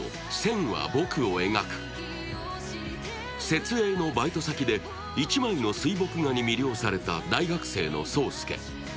設営のバイト先で１枚の水墨画に魅了された大学生の霜介。